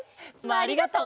ありがとう。